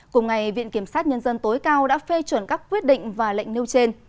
cùng ngày viện kiểm sát nhân dân tối cao đã phê chuẩn các quyết định và lệnh nêu trên